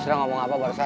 eh gue mau tau yan